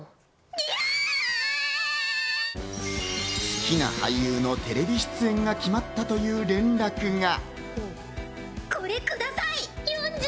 好きな俳優のテレビ出演が決まったという連絡が。